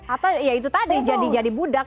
atau ya itu tadi jadi budak